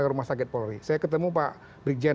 rumah sakit polri saya ketemu pak brigjen